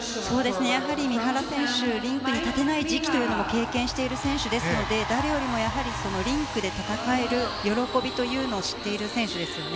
やはり三原選手リンクに立てない時期というのも経験している選手ですので誰よりもリンクで戦える喜びというのを知っている選手ですよね。